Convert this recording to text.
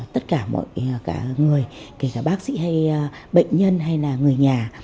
tất cả mọi người kể cả bác sĩ hay bệnh nhân hay là người nhà